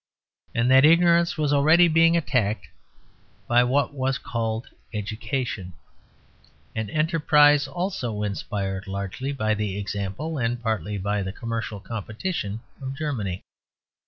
And that ignorance was already being attacked by what was called education an enterprise also inspired largely by the example, and partly by the commercial competition of Germany.